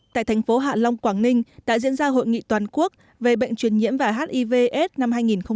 tại thành phố hạ long quảng ninh đã diễn ra hội nghị toàn quốc về bệnh truyền nhiễm và hivs năm hai nghìn một mươi chín